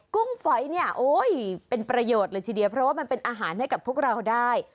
ุ้งฝอยเนี่ยโอ้ยเป็นประโยชน์เลยทีเดียวเพราะว่ามันเป็นอาหารให้กับพวกเราได้